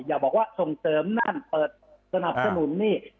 อย่าบอกว่าส่งเสริมนั่นเปิดสนับสนุนนี่